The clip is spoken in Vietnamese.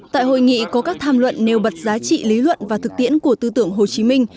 tại hội nghị có các tham luận nêu bật giá trị lý luận và thực tiễn của tư tưởng hồ chí minh